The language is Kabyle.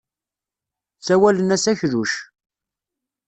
Sawalen-as akluc.